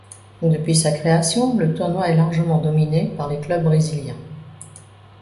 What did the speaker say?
Depuis sa création, le tournoi est largement dominé par les clubs brésiliens.